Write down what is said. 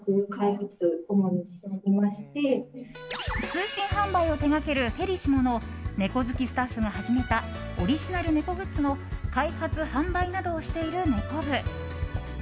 通信販売を手掛けるフェリシモの猫好きスタッフが始めたオリジナル猫グッズの開発・販売などをしている猫部。